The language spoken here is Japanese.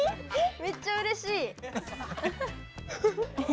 めっちゃうれしい！